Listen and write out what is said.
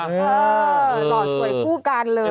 หล่อสวยคู่กันเลย